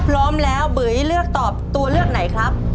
พร้อมแล้วบุ๋ยเลือกตอบตัวเลือกไหนครับ